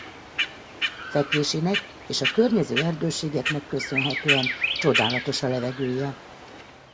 Fekvésének és a környező erdőségeknek köszönhetően csodálatos a levegője.